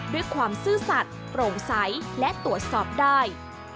ด้วยความซื่อสัตว์โปร่งใสและตรวจสอบได้